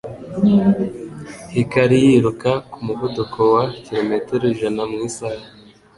Hikari yiruka ku muvuduko wa kilometero ijana mu isaha